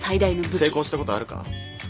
成功したことあるか？